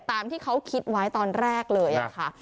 ตามที่เขาคิดไว้ตอนแรกเลยค่ะ